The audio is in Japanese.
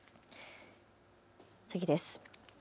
次です。